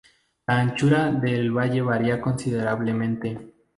La anchura del valle varía considerablemente.